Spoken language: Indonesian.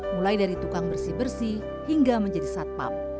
mulai dari tukang bersih bersih hingga menjadi satpam